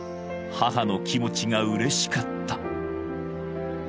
母の気持ちが嬉しかった